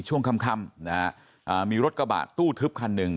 ช่วงค่ำนะฮะมีรถกระบะตู้ทึบคันหนึ่ง